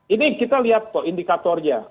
ini kita lihat indikatornya